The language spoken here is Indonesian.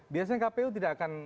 biasanya kpu tidak akan